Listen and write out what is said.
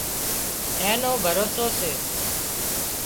اين نو ڀروسو سي